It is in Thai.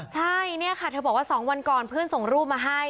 ใช่เนี่ยค่ะเธอบอกว่า๒วันก่อนเพื่อนส่งรูปมาให้